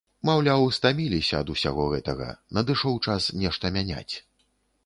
Маўляў, стаміліся ад усяго гэтага, надышоў час нешта мяняць.